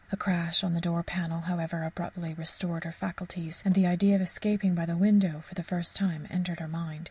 A crash on the door panel, however, abruptly restored her faculties, and the idea of escaping by the window for the first time entered her mind.